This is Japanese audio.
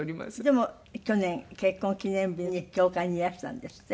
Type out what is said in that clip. でも去年結婚記念日に教会にいらしたんですって？